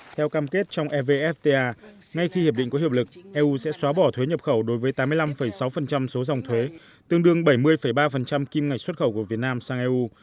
theo cam kết trong evfta ngay khi hiệp định có hiệp lực eu sẽ xóa bỏ thuế nhập khẩu đối với tám mươi năm sáu số dòng thuế tương đương bảy mươi ba kim ngạch xuất khẩu của việt nam sang eu